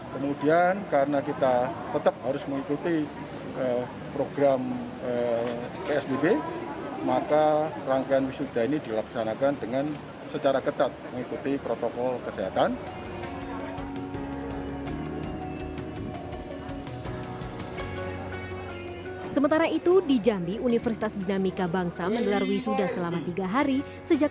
kemudian karena kita tetap harus mengikuti program psbb maka rangkaian wisuda ini dilaksanakan dengan secara ketat mengikuti protokol kesehatan